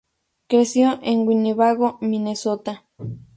Creció en Winnebago, Minnesota.